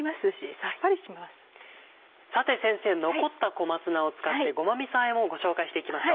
さて先生残った小松菜を使ってごまみそあえもご紹介して行きましょう。